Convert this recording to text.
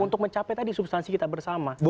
untuk mencapai tadi substansi kita bersama